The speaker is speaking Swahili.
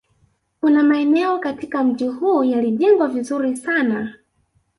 Kuna maeneo katika mji huu yalijengwa vizuri sana